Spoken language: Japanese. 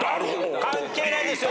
関係ないですよ